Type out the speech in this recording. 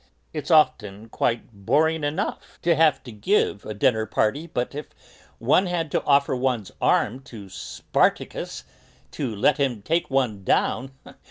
It's often quite boring enough to have to give a dinner party, but if one had to offer one's arm to Spartacus, to let him take one down...!